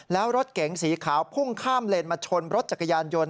แล้วรถเก๋งสีขาวพุ่งข้ามเลนมาชนรถจักรยานยนต